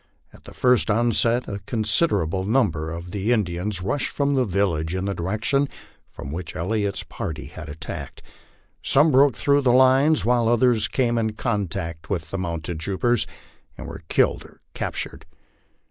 At the first onset a considerable number of the Indians rushed from the village in the direction from which Elliot's party had attacked. Some broke through the lines, while others came in contact with the mounted troopers, and were killed or captured.